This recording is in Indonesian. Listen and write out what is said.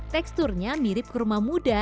teksturnya mirip kurma muda